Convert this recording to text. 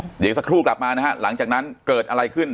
เดี๋ยวอีกสักครู่กลับมานะฮะหลังจากนั้นเกิดอะไรขึ้น